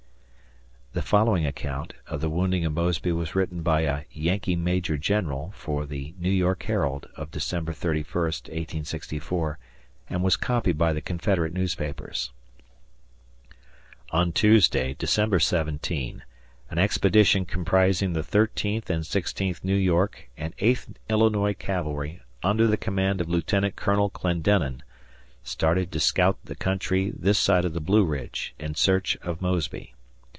The following account of the wounding of Mosby was written by a "Yankee Major General" for the New York Herald of December 31, 1864, and was copied by the Confederate newspapers: On Tuesday, December 17, an expedition comprising the Thirteenth and Sixteenth New York and Eighth Illinois Cavalry, under the command of Lieutenant Colonel Clendenin, started to scout the country this side of the Blue Ridge, in search of Mosby.